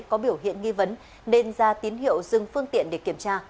có biểu hiện nghi vấn nên ra tín hiệu dừng phương tiện để kiểm tra